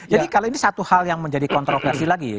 jadi kalau ini satu hal yang menjadi kontroversi lagi ya